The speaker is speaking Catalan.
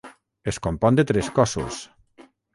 Es compon de tres cossos.